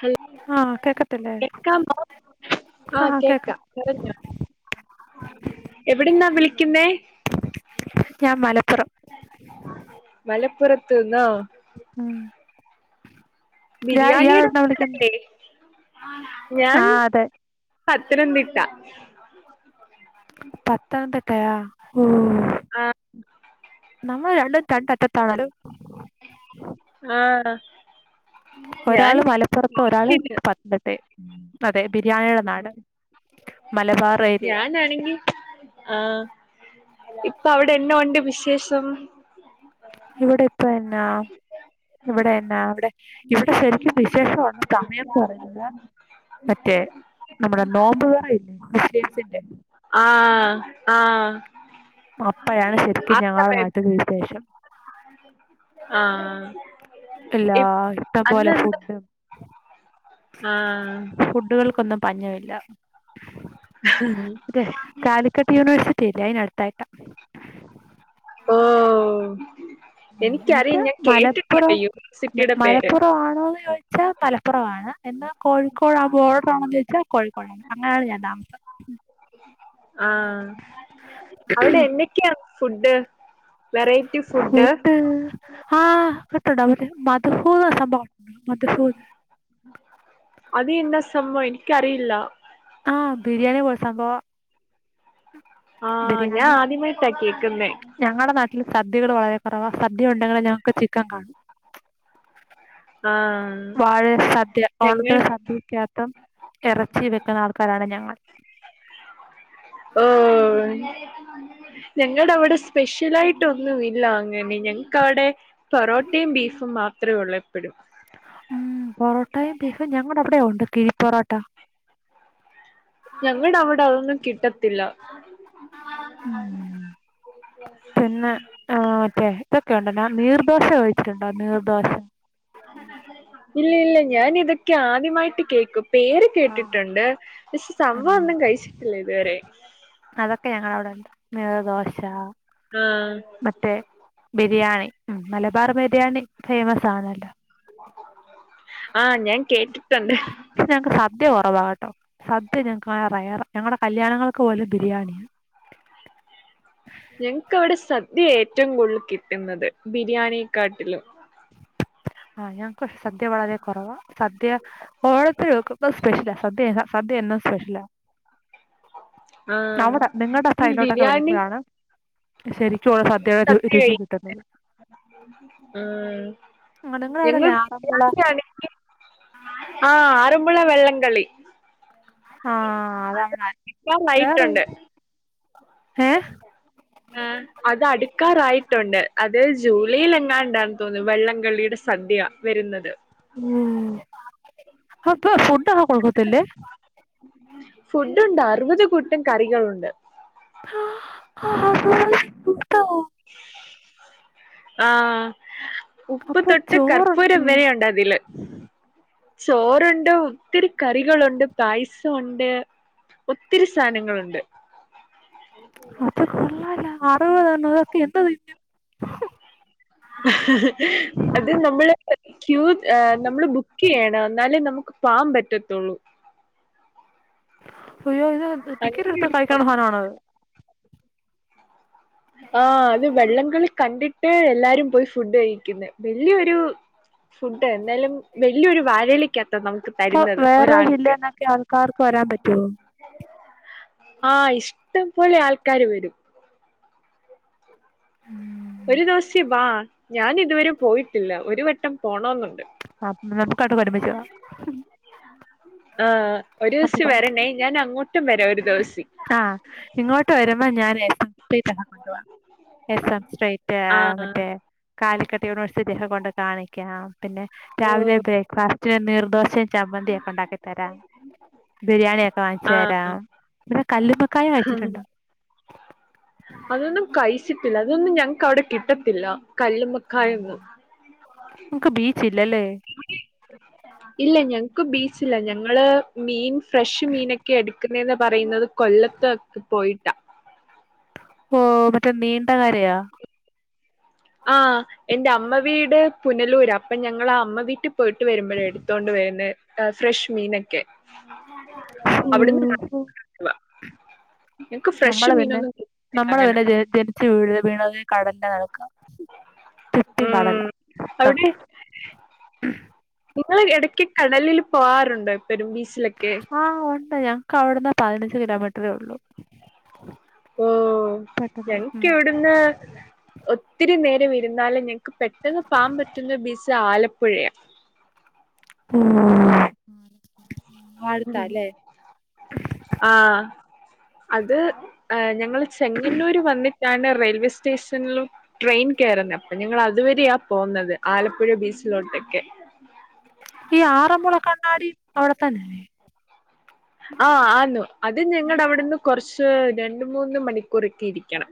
Hello ആഹ് കേക്കത്തില്ലേ കേക്കാമോ ആഹ് കേക്ക പറഞ്ഞോ എവിടെന്നാ വിളിക്കുന്നേ ഞാൻ മലപ്പുറം മലപ്പുറത്ത് ന്നോ ആഹ് ബിരിയാണിയുടെ ഇയാളെവിടുന്നാ വിളിക്കുന്നെ നാടല്ലേ ഞാൻ ആഹ് അതെ പത്തനംതിട്ട പത്തനം തിട്ടയാ ഉം ആഹ് നമ്മൾ രണ്ടും തണ്ടറ്റത്തെ താണും ആഹ് ഞാൻ ഒരാള് മലപ്പുറത്ത് ഒരാള് പിന്നെ അതെ ബിരിയാണിയുടെ നാട് മലബാർ ഏരിയ ന്നാണങ്കി ആഹ് ഇപ്പ അവിടെന്ന ഉണ്ട് വിശേഷം ഇവിടെ ഇപ്പൊ എന്നാ ഇവിടെന്നാ ഇവിടെ ഇവിടെ ശരിക്കും വിശേഷാണ് സമയംന്ന് പറയുന്നത് മറ്റേ നമ്മുടെ നോമ്പ് തുറയില്ലേ മുസ്ലീംസിന്റെ ആഹ് ആഹ് അപ്പഴാണ് ആ ശരിക്കും ഞങ്ങളുടെ സമയത്ത് നാട്ടില് വിശേഷം ആഹ് എല്ലാ ഇപ് ഇഷ്ടം പോലെ അന്നെന്താ ഫുഡും ആഹ് ഫുഡുകൾക്കൊന്നും പഞ്ഞമില്ല തെ കാലി ക്കറ്റ് യൂണിവേഴ്സിറ്റിയില്ലേ അതിന് അടുത്തായിട്ടാ ഓഹ് എന്നിട്ട് എനിക്കറിയാം ഞാൻ കേട്ടിട്ടുണ്ട് മലപ്പുറം യൂണിവേഴ്സിറ്റിയുടെ പേര് ച്ചാൽ മലപ്പുറമാണ് ഇന്ന് കോഴിക്കോട് ആ ബോർഡർ ആണന്ന് ചോദിച്ചാൽ കോഴിക്കോടാണ് അങ്ങനെയാണ് ഞാൻ താമസം ആഹ് അവിടെ എന്തൊക്കെയാണ് ഫുഡ് വെറൈറ്റി ഫുഡ് ആഹ് കേട്ടോടാ മധ്ഹൂത് മധ്ഹൂത് അത് എന്ത സംഭവം എനിക്ക് അറിയില്ല ആഹ് ബിരിയാണി പോലത്തെ സംഭവം ആഹ് ഞാൻ ബിരിയാണി ആദ്യമായിട്ടാ കേക്കുന്നേ ഞങ്ങളുടെ നാട്ടിൽ സദ്യകൾ വളരെ കുറവാ സദ്യ ഉണ്ടെങ്കിൽ ഞങ്ങക്ക് ചിക്കൻ കാണും ആഹ് വാഴ സദ്യ ഞങ്ങൾ ഓണത്തിന് സദ്യിക്കാത്തും എറച്ചി വെക്കുന്ന ആൾക്കാരാണ് ഞങ്ങൾ ഓഹ് ഞങ്ങളുടെ ഇവിടെ സ്പെഷ്യലാ യിട്ടൊന്നും ഇല്ല അങ്ങനെ ഞങ്ങക്ക വിടെ പൊറോട്ടയും ബീഫും മാത്രമേ ഉള്ള എപ്പോഴും പൊറോട്ടയും ബീഫും ഞങ്ങളുടെ അവിടെ ഉണ്ട് കിഴി പൊറോട്ട ഞങ്ങളുടെ അവിടെ അതൊന്നും കിട്ടത്തില്ല ഉം മാ പിന്നെ ആ മറ്റേ ഇതൊക്കെയ ഉണ്ടോ നീർദോശ കഴിച്ചിട്ടുണ്ടോ നീർദോശ ഇല്ല ഇല്ല ഞാൻ ഇതൊക്കെ ആദ്യമായിട്ട് കേൾക്കും പേര് കേട്ടിട്ടുണ്ട് പക്ഷെ സംഭവം ആഹ് ഒന്നും കഴിച്ചിട്ടില്ല ഇതുവരെ അതൊക്കെ ഞങ്ങള അവിടെണ്ട് നീറ്ദോശ ആഹ് മറ്റേ ബിരിയാണി ഉ മലബാർ ബിരിയാണി ഫേമസ് ആണല്ലോ ആഹ് ഞാൻ കേട്ടിട്ടുണ്ട് പക്ഷെ ഞങ്ങക്ക് സദ്യ കുറവാകട്ടോ സദ്യ ഞങ്ങക്ക് റയർ ഞങ്ങളടെ കല്യാണങ്ങൾക്ക് പോലെ ബിരിയാണിയാണ് ഞങ്ങക്ക് അവിടെ സദ്യ ഏറ്റവും കൂടുതൽ കിട്ടുന്നത് ബിരിയാണിയെക്കാട്ടിലും ആഹ് ഞക്ക് സദ്യ വളരെ കുറവ സദ്യ ഓണത്തിന് ഒക്കെ സ്പെഷ്യല സദ്യ സദ്യ എന്ന സ്പെഷ്യലാ ആഹ് നവിടെ നിങ്ങളുടെ ഈ സൈഡിൽലോട്ടൊക്കെ ബിരിയാണി വരുമ്പോഴാണ് ശരിക്കുംവാ സദ്യയുടെ രുചി കിട്ടുന്നത് ആ നിങ്ങളവിടെ ഞങ്ങൾ ഇല്ലേ ആറന്മുള ബിരിയാണിയണെങ്കിൽ ആഹ അറമ്പുള വള്ളം കളി ആഹ് അതവിടെ എല്ലാം ആയിട്ടുണ്ട് ഹഏ ആഹ അത് അടുക്കാറായിട്ടുണ്ട് അത് ജൂലൈൽ എങ്ങാ ഉണ്ടാന്ന് തോന്നുന്നു വെള്ളംകള്ളിയുടെ സദ്യ വരുന്നത് ഉം അപ്പ ഫുഡക്ക കൊടുക്കതില്ലേ ഫുഡ് ഉണ്ട് അറുപത് കുട്ടും കറികളുണ്ട് [inaudible] ആഹ ഉപ്പ് അപ്പൊ തൊട്ട് ചോറുണ്ട് കർപ്പൂരം വരെയുണ്ട് അതില് ചോറുണ്ട് ഒത്തിരി കറികളുണ്ട് പായസംഉണ്ട് ഒത്തിരി സാധനങ്ങളുണ്ട് അത് കൊള്ളാലോ അറുപത്നോഅതൊക്കെ എന്തോ അത് നമ്മള് ക്യൂ ഏ നമ്മള് ബുക്ക് ചെയ്യണം എന്നാലേ നമുക്ക് പാകൻ പറ്റത്തുള്ളൂ അയ്യോ ഇത് ടിക്കറ്റ് അങ്ങനെ എടുത് ഒരു കഴിക്കാനുള്ള സാധനമാണോത് ആ അത് വെള്ളംകളി കണ്ടിട്ട് എല്ലാരും പോയി ഫുഡ് കഴിക്കുന്ന വല്യൊരു ഫുഡ് എന്തായാലും വലിയൊരു വഴഇലയി കാത നമുക്ക് അപ്പൊ തരുന്നത് വേറെ ഒരാൾക്ക് ജില്ലേന്നൊക്കെ ആൾക്കാർക്ക് വരാൻ പറ്റുവോ ആ ഇഷ്ടംപലെ ആൾക്കാാര് വരും ഒരു ദിവസം വാ ഞാൻ ഇതുവരെ പോയിട്ടില്ല ഒരു വട്ടം പോണെന്നുണ്ട് അ നമുക്ക്ട്ട കൊടിമ ചെയ ആ ഒരു ദിവസം അപ്പ [inaudible] വരണേ ഞാൻ അങ്ങോട്ടും വരാം ഒരു ദിവസി ആഹ് ഇങ്ങോട്ട് വരുമ്പോ ഞാൻ [inaudible] കൊണ്ട് പോവാം എസ് എം സ്ട്രൈറ്റ് ആ മറ്റേ കാലിക്കട് യൂണിവേഴ്സിറ്റി ഒക്കെ കൊണ്ട് കാണിക്കാം പിന്നെ രാവിലെ ബ്രേക്ക് ഫസ്റ്റ നീർദോശയും ചമ്മന്തി ഒക്കെ ഉണ്ടാക്കി തരാം ബിരിയാണിയ ഒക്കെ വാങ്ങിച്ചു ആ തരാം പിന്നെ കല്ലുമക്കായ കഴിച്ചിട്ടുണ്ടോ അതൊന്നും കഴിച്ചിട്ടില്ല അതൊന്നും ഞങ്ങക്ക് അവിടെ കിട്ടത്തില്ല കല്ലുമ്മക്കായൊന്നും ഇക്ക് ബീച്ച് ഇല്ലല്ലേ ഇല്ല ഞങ്ങക്ക് ബീച് ഇല്ല ഞങ്ങള് മീൻ ഫ്രഷ് മീനൊക്കെ എടുക്കുനെന്ന് പറയുന്നത് കൊല്ലത്തൊക്കെ പോയിട്ടാ ഓ മറ്റേ നീണ്ടകരയാാ ആഹ എൻന്റെ അമ്മ വീട് പുനലൂര് അപ്പൊ ഞങ്ങള അമ്മ വീട്ടിൽ പോയിട്ട് വരുമ്പോഴ എടുത്തോണ്ട് വരുന്നേ ട്ടാ ഫ്രഷ്മീനൊക്കെ ഓ അവിടുന്ന് ഓ. [inaudible] ക്ക് ഫ്രഷ് മീനൊന്നുംകിട്ടത്തില്ല അങ്ങനെ വീട് വീണെ കടലിന്റെ നടക്ക മ്മ് മൊത്തം അവിടെ നിങ്ങൾ ഇടക്ക് കടലിൽ പോകാറുണ്ടോ എപ്പോഴും ബീചിലൊക്കെ ആഹ ഉണ്ട് ഞങ്ങക്ക് അവിടുന്ന് പതിനഞ്ച് കിലോമീറ്ററേ ഉള്ളൂ ഓഹ് പെട്ടെന്ന് വാ. ഞങ്ങക്ക് ഇവിടുന്ന് ഒത്തിരി നേരം ഇരുന്നാലും ഞങ്ങക്ക് പെട്ടെന്ന് പോവാൻ പറ്റുന്ന ബീച്ച് ആലപ്പുഴയാണ് ഉംഹ് അടുത്താലേ ആഹ് അത് ഞങ്ങള് ചെങ്ങന്നൂര് വന്നി ട്ടാണ് റെയിൽവേ സ്റ്റേഷനിലും ട്രെയിൻ കയറുന്നെ അപ്പൊ ഞങ്ങൾ അതുവഴിയാ പോകുന്നത് ആലപ്പുഴ ബീച്ചിലോട്ടൊക്കെ ഈ ആറന്മുള കണ്ണാടി അവിടെത്തന്നല്ലേ ആ ആന്ന് അത് ഞങ്ങടെ അവിടുന്ന് കുറച്ച് രണ്ടു മൂന്ന് മണിക്കൂറൊക്കെ ഇരിക്കണം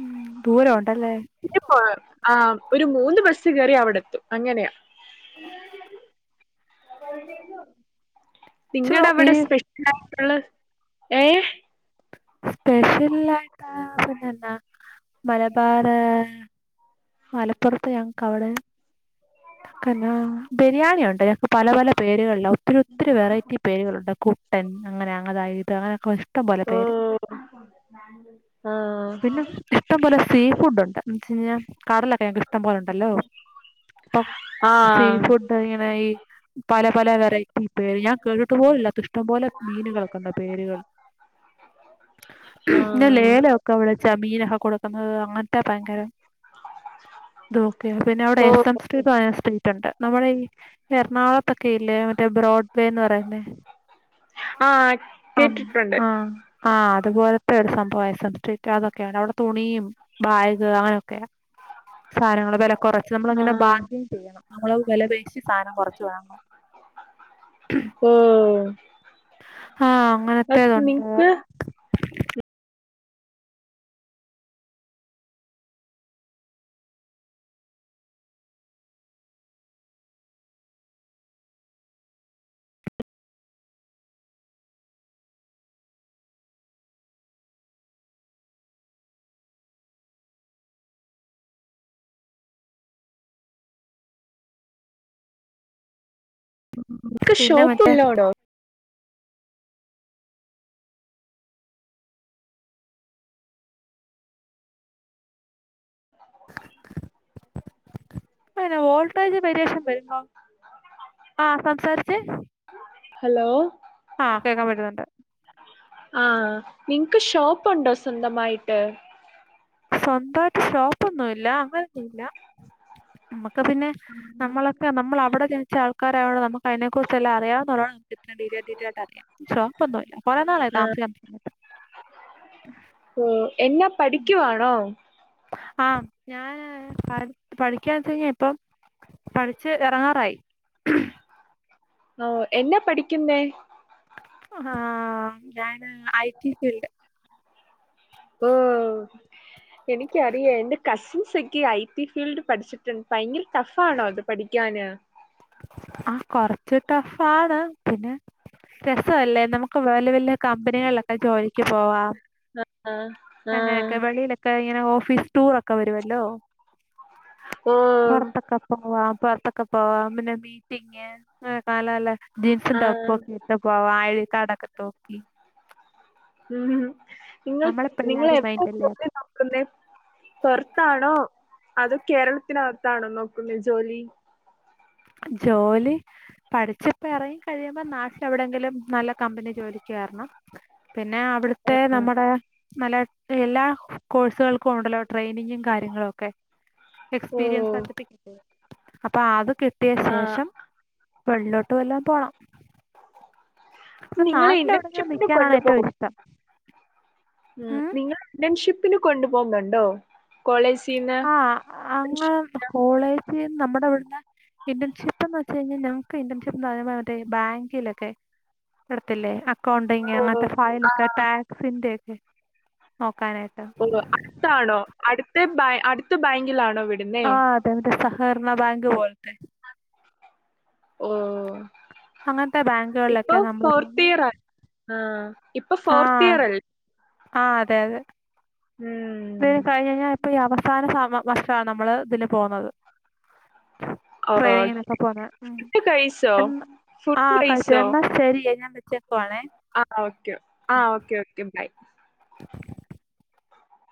ഉംഹ് ദൂരം ഉണ്ടല്ലേ [unintelligible] ആ ഒരു മൂന്ന് ബസ് കയറി അവിടെ എത്തും അങ്ങനെയാ [unintelligible] ചോ നിങ്ങളുടെ ഈ അവിടെ സ്പെഷ്യൽ ആയിട്ടുള്ള ഏഹ് സ്പെഷ്യൽ ആയിട്ടാ പിന്നെന്നാ മലബാറ് മലപ്പുറത്ത് ഞങ്ങക്ക് അവിടെ പിന്നെ ബിരിയാണിയുണ്ട് ഞ പല പല പേരുകളിലാ ഒത്തിരി ഒത്തിരി വെറൈറ്റി പേരുകളുണ്ട് കുട്ടൻ അങ്ങനെ അങ്ങനെയിതാ അങ്ങനെയൊക്കെ ഇഷ്ടം പോലെ പേര് ആഹ് ആഹ് പിന്നെ ഇഷ്ടം പോലെ സീ ഫുഡ്‌ ഉണ്ട് ലൊക്കെ ഇഷ്ടം പോലെ ഉണ്ടല്ലോ അപ്പൊ സീ ആഹ് ഫുഡ് ഇങ്ങനെ ഈ പല പല വെറൈറ്റി പേര് ഞാൻ കേട്ടിട്ട് പോലുവില്ലാത്ത ഇഷ്ടംപോലെ മീനുകളൊക്കെ ഉണ്ട് പേരുകൾ ഇന്ന് ആഹ് ലേലവാ ഒക്കെ വിളിച്ച മീനൊക്കെ കൊടുക്കുന്നത് അങ്ങനത്തെ ഭയങ്കരം [inaudible] അത് ഓക്കെ പിന്നെ അവിടെ ഓഹ് എസ് എംസ് സ്പിരിറ്റ്‌ ഉണ്ട് നമ്മുടെ ഈ എറണാകുളത്തൊക്കെ ഇല്ലേ മറ്റേ ബ്രോഡ് വേ എന്ന് പറയുന്നെ ആഹ് അം കേട്ടിട്ടുണ്ട് ആഹ് ആഹ് അത്പോലെതെ ഒരു സംഭവം എസ് എം സ്ട്രീറ്റതൊക്കെ [unintelligible] തുണിയും ബാഗ് അങ്ങനൊക്കെയാ സാധനങ്ങൾ വെല കൊറച്ച് നമ്മൾ ങ്ങനെ ആഹ് ബർഗയിൻ ചെയ്യണം നമ്മളത് വെല പേശി സാധനം കുറച്ച് വാങ്ങണം ഓ ആഹ് അങ്ങനത്തേതുണ്ട് [unintelligible] ക്ക് പിന്നെ ഷോപ്പ് മറ്റേ ല്ലോ ഡാ പ്പയിന് വോൾടേജ് വേരിയേഷൻ വരുമ്പോ ആ സംസാരിച്ചേ ഹലോ ആഹ് കേക്കാൻ പറ്റുന്നുണ്ട് ആഹ് നിങ്ങ്ക്ക് ഷോപ്പുണ്ടോ സ്വന്തമായിട്ട് സ്വന്തായിട്ട് ഷോപ്പൊന്നുല്ല അങ്ങനൊന്നുല്ല മ്മക് പിന്നെ നമ്മളൊക്കെ നമ്മൾ അവിടെ ജനിച്ചാ ൾക്കാരായുള്ളൊണ്ട് നമുക്ക് അതിനെ കുറിച്ച് എല്ലാം അറിയാവുന്നോരോട് ഇത്രേം ഡീറ്റെ ഡേറ്റൽ ആയിട്ടറി ഷോപ്പ് ഒന്നുല്ല കൊറേ നാളായി താമസിക്കാൻ തുടങ്ങിയിട്ട് ഓഹ് എന്ന പഠിക്കുവാണോ ആഹ് ഞാന് പറി പഠിക്കാ ചെന്നെ പഠിച്ച് എറങ്ങാറായി ഓഹ് എന്നാ പഠിക്കുന്നേ ആഹ് ഞാന് ഐ ടി ഫീൽഡ് പ് എനിക്കറിയ എന്റെ കസിൻസ് ഒക്കെ ഐ ടി ഫീൽഡ് പഠിച്ചിട്ടുണ്ട് ഭയങ്കര ടഫാണോ ഇത് പഠിക്കാന് ആ കൊറച്ച് ടഫാണ് പിന്നെ രസവല്ലേ നമുക്ക് വല്യ വല്യ കമ്പനികളിലൊക്കെ ജോലിക്ക് പോവാം ആഹ് ആഹ് അങ്ങനെക്കെ വെളിയിലൊക്കെ ഇങ്ങനെ ഓഫീസ് ടൂർ ഒക്കെ വരുവല്ലോ ഓഹ് പൊറത്തൊക്കെപ്പോവാം പൊറത്തൊക്കെപ്പോവാം. [unintelligible] ജീൻസും ടോപ്പും ആഹ് ഒക്കെ ഇട്ട് ത കോവായി കടക്കത്തോക്കി ഉം ങ്ങള നമ്മളെ നിങ്ങൾ പിള്ളേർ എപ്പ മൈൻഡല്ലേ [unintelligible] ക്കുന്നെ പൊർത്താണോ അതോ കേരളത്തിനകത്താണോ നോക്കുന്നേ ജോലി ജോലി പഠിച്ചിപ്പം എറങ്ങി കഴിയുമ്പോ നാട്ടിൽ എവിടെെങ്കിലും നല്ല കമ്പനി ജോലിക്ക് കേറണം പിന്നെ അവിടത്തേ ആഹ് നമ്മടെ നല്ല എല്ലാ കോഴ്സുകൾക്കും ഉണ്ടല്ലോ ട്രെയിനിങ്ങും കാര്യങ്ങളും ഒക്കെ എക്സ്പീരിയൻസ് ഓഹ് സർട്ടി അപ്പോ ആത് കിട്ടിയ ആഹ് ശേഷം വെളിലോട്ട് വല്ലോം പോണം അപ്പം നിങ്ങളെ നാട്ടിലെവിടെങ്കിലും ഇന്റേൺഷിപ്പിന് നിക്കാനാണ് കൊണ്ടുപോകും ഏറ്റവും ഇഷ്ടം ഉം, നിങ്ങൾ ഇന്റൺഷിപ്പിന് കൊണ്ടു പോകുന്നുണ്ടോ? ആ അങ്ങ് കോളേജിൽ നമ്മടെ ഇവിടന്ന് ഇന്റേൺഷിപ്പ്ന്ന് വെച്ച് കഴിഞ്ഞാൽ ഞ ങ്ങക്ക് ഇന്റേൺഷിപ്പ് പറേമ്പുത്തേക്ക് ബാങ്കിലൊക്കെ [unintelligible] ക്കൗണ്ടിങ് ഓ! അങ്ങനത്തെ ഫയലൊക്കെ ആഹ്. ടാക്സിന്റെൊക്കെ നോക്കാനായിട്ട് ത്താണോ അടുത്ത് ബാങ്കി അടുത്ത് ബങ്കിലാണോ വീട് ആ അതെ തേ സഹകരണ ബാങ്ക് പോലത്തെ ഓഹ്, അങ്ങനത്തെ ഇപ്പൊ ബാങ്കുകളിലൊക്കെ നമ്മൾ ഫോർത്ത് ഇയർ ആയ് ആഹ്. ഇപ്പൊ ഫോർത്ത് ആഹ് ഇയർ അല്ലേ? ആ അതെ അതെ ഉം [unintelligible] കഴിഞ്ഞ ഇപ്പ ഈ അവസാന സമ വർഷാണ് നമ്മള് ഇതിന്പോവുന്നത് ഓക്കെ. ട്രയിനിങ്ങിനൊക്കെ പോന്നെ ഉം ഫുഡ് കഴിച്ചോ? എന്ന് ആ ഫുഡ് കൈ കഴിച്ചോ? എന്നാ ശരിയേ ഞാൻ വി വെച്ചേക്കുവാണേ ആഹ് ഓക്കെ ആഹ് ഓക്കെ ഓക്കെ ബൈ